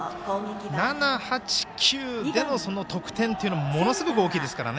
７、８、９での得点はものすごく大きいですからね。